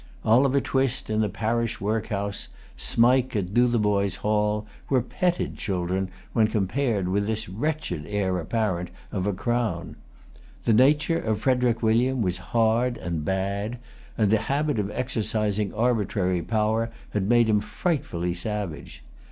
Oliver Twist in the parish workhouse, Smike at Dotheboys Hall, were petted children when compared with this wretched heir apparent of a crown. The nature of Frederic William was hard and bad, and the habit of exercising arbitrary power had made him frightfully savage.